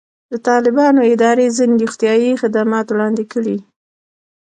د طالبانو ادارې ځینې روغتیایي خدمات وړاندې کړي.